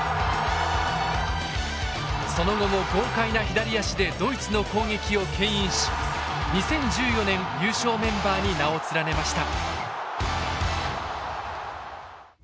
その後も豪快な左足でドイツの攻撃を牽引し２０１４年優勝メンバーに名を連ねました。